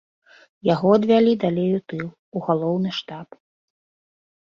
Яго адвялі далей у тыл, у галоўны штаб.